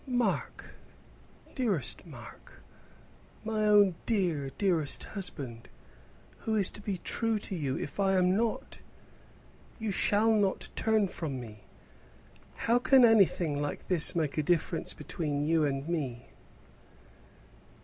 "Mark, dearest Mark, my own dear, dearest husband! who is to be true to you, if I am not? You shall not turn from me. How can anything like this make a difference between you and me?"